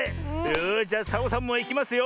よしじゃサボさんもいきますよ。